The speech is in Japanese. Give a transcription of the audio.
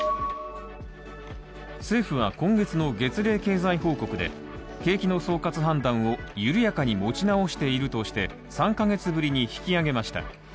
政府は今月の月例経済報告で景気の総括判断を緩やかに持ち直しているとして、３ヶ月ぶりに引き上げました。